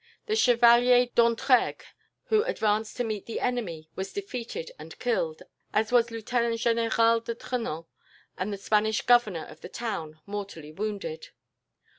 The Chevalier D'Entregues, who advanced to meet the enemy, was defeated and killed, as was Lieutenant General de Trenan, and the Spanish Governor of the town mortally wounded.